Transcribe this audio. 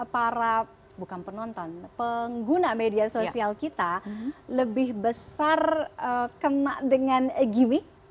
para bukan penonton pengguna media sosial kita lebih besar kena dengan gimmick